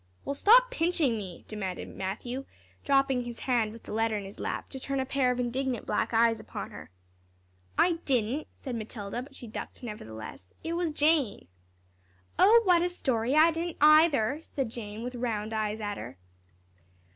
"Well, stop pinching me," demanded Matthew, dropping his hand with the letter in his lap to turn a pair of indignant black eyes upon her. "I didn't," said Matilda, but she ducked nevertheless; "it was Jane." "Oh, what a story; I didn't neither," said Jane, with round eyes at her.